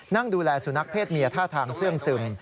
นั่งดูแลสุนัขเพศเมียท่าทางเสื้องซึม